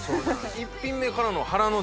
１品目からの。